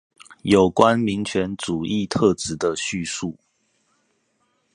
有關民權主義特質的敘述